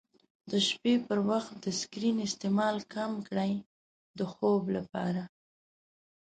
د شپې پر وخت د سکرین استعمال کم کړئ د خوب لپاره.